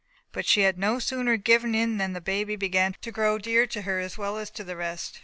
But she had no sooner given in than the baby began to grow dear to her as well as to the rest.